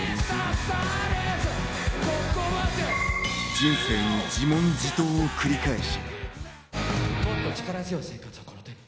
人生に自問自答を繰り返し。